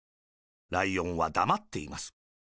ライオンは、だまっています。